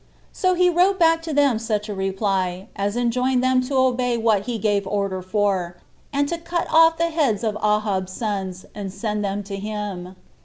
So he wrote back to them such a reply as enjoined them to obey what he gave order for, and to cut off the heads of Ahab's sons, and send them to him.